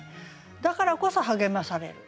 だからこそ励まされる。